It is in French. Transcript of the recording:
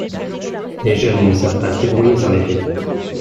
Les jeunes ils ne savent pas se débrouiller sans les vieux